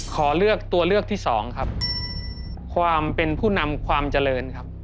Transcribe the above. ขอเลือกตัวเลือกที่สองครับความเป็นผู้นำความเจริญครับ